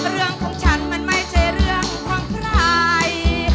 เรื่องของฉันมันไม่ใช่เรื่องของใคร